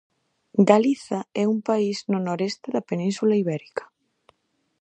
Galiza é un país no noroeste da Península Ibérica.